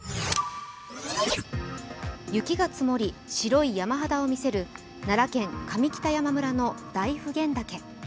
雪が積もり、白い山肌を見せる奈良県上北山村の大普賢岳。